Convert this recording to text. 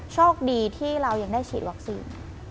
โชคดีที่เรายังได้ฉีดวัคซีน